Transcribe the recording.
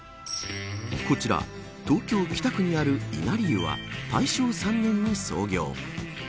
こちら東京、北区にある稲荷湯は大正３年に創業。